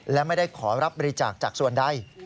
และไม่ได้ขอรับบริจาคจากส่วนใด